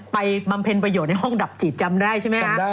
บำเพ็ญประโยชน์ในห้องดับจิตจำได้ใช่ไหมจำได้